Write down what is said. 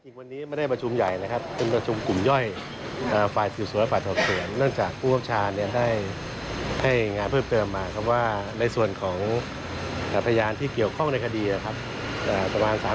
นะคุณรับรายงานออกไปแล้วเพิ่มเติมนะครับไม่มีอะไรเพิ่มเติม